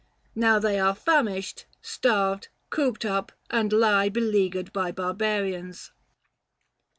Now are they famished, starved, cooped up, and lie Beleaguered by barbarians."